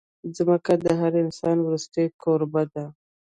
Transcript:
ځمکه د هر انسان وروستۍ کوربه ده.